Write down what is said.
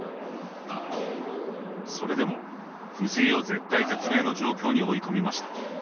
それでも藤井を絶体絶命の状況に追い込みました。